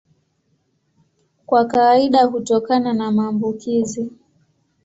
Kwa kawaida hutokana na maambukizi.